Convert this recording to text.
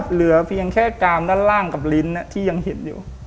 เหลือเพียงแค่กามด้านล่างกับลิ้นที่ยังเห็นอยู่